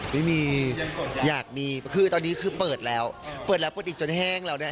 ไม่มีอยากมีคือตอนนี้คือเปิดแล้วเปิดแล้วเปิดอีกจนแห้งแล้วเนี่ย